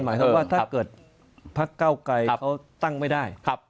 หมายถึงว่าถ้าเกิดพรรคเก่าไก้เขาตั้งไม่ได้ครับ